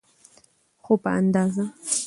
خو په اندازه.